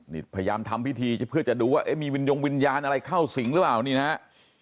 นี่พยายามทำพิธีเพื่อจะดูว่าเอ๊ะมีวินยงวิญญาณอะไรเข้าสิงหรือเปล่านี่นะฮะ